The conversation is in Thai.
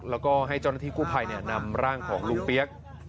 แล้วก็ให้เจ้าหน้าที่กู้ภัยนำร่างของลุงเปี๊ยก